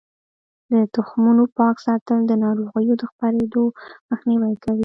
د تخمونو پاک ساتل د ناروغیو له خپریدو مخنیوی کوي.